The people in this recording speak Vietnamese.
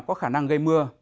có khả năng gây mưa